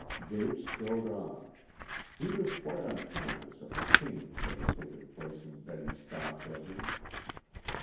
Dave strode on. He was quite unconscious of the change that had taken place in Betty's thoughts of him.